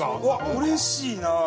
うれしいな。